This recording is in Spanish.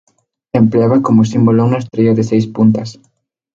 Empleaba como símbolo una estrella de seis puntas.